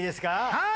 はい。